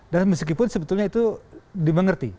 dan meskipun sebetulnya itu dimengerti